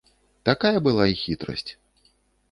Такая была і хітрасць.